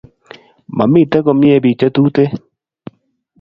mamiten komie pik che tuten